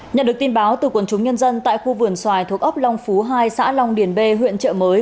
nhận được tin báo từ quần chúng nhân dân tại khu vườn xoài thuộc ốc long phú hai xã long điền bê huyện chợ mới